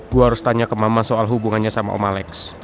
gue harus tanya ke mama soal hubungannya sama om malex